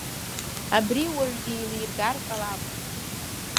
Абри уаҩ деилеигар ҟалап!